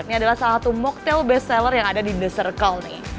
ini adalah salah satu moctail best seller yang ada di the circle nih